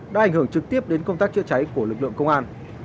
đã ảnh hưởng trực tiếp đến công tác chữa cháy của lực lượng công an